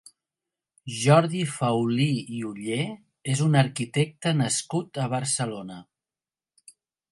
Jordi Faulí i Oller és un arquitecte nascut a Barcelona.